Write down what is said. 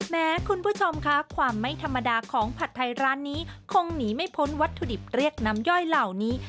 แม้คุณผู้ชมค่ะความไม่ธรรมดาของผัดไทยร้านนี้คงหนีไม่พ้นวัตถุดิบเรียกน้ำย่อยเหล่านี้